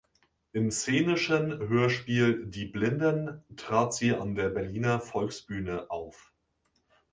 Im szenischen Hörspiel "Die Blinden" trat sie an der Berliner Volksbühne auf.